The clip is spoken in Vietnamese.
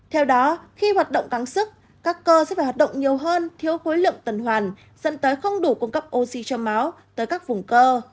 theo đó khi hoạt động kháng sức các cơ sẽ phải hoạt động nhiều hơn thiếu khối lượng tần hoàn dẫn tới không đủ cung cấp oxy cho máu tới các vùng cơ